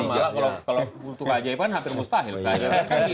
sama lah kalau butuh keajaiban hampir mustahil